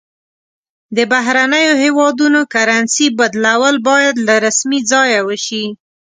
د بهرنیو هیوادونو کرنسي بدلول باید له رسمي ځایه وشي.